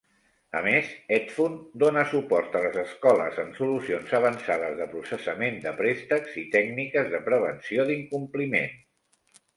A més, EdFund dóna suport a les escoles amb solucions avançades de processament de préstecs i tècniques de prevenció d'incompliment.